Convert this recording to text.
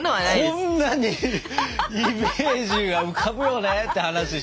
こんなに「イメージが浮かぶよね」って話して。